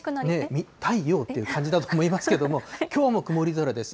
みたいようという感じだと思いますけれども、きょうも曇り空です。